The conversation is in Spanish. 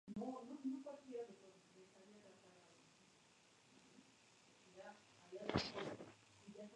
La parte inferior de las alas es marrón rojizo, con una lista superciliar pálida.